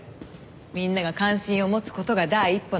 みんなが関心を持つ事が第一歩なの。